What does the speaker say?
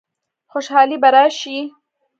خوشحالي به راشي؟